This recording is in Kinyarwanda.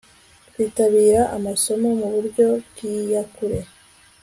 kwitabira amasomo mu buryo bw'iyakure